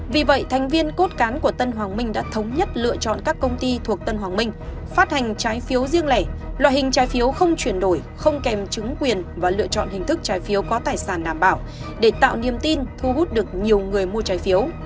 vì vậy thành viên cốt cán của tân hoàng minh đã thống nhất lựa chọn các công ty thuộc tân hoàng minh phát hành trái phiếu riêng lẻ loại hình trái phiếu không chuyển đổi không kèm chứng quyền và lựa chọn hình thức trái phiếu có tài sản đảm bảo để tạo niềm tin thu hút được nhiều người mua trái phiếu